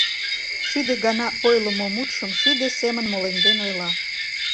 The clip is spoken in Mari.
Шӱдӧ гана ойлымо мутшым шӱдӧ семын молемден ойла.